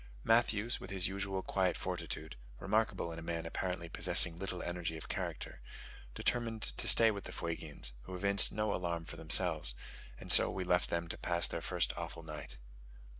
Matthews, with his usual quiet fortitude (remarkable in a man apparently possessing little energy of character), determined to stay with the Fuegians, who evinced no alarm for themselves; and so we left them to pass their first awful night.